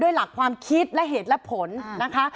หลักความคิดและเหตุและผลนะคะ